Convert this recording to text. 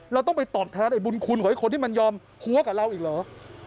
เราต้องไปตอบแทนไอ้บุญคุณของคนที่มันยอมหัวกับเราอีกเหรอ